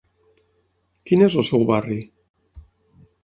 Quin és el seu barri?